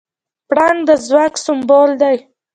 پړانګ د ځواک سمبول دی.